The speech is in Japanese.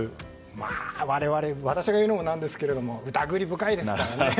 我々私が言うのもなんなんですけど疑り深いですからね。